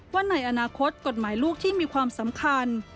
ว่าในอนาคตกฎหมายลูกที่มีความสำคัญ